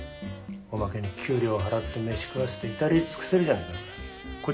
おまけに給料払って飯食わせて至れり尽くせりじゃねえかお前。